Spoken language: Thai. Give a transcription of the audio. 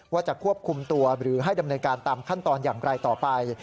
ว่าจะควบคุมตัวหรือให้ดำเนินการตามขั้นตอนอย่างไรต่อไป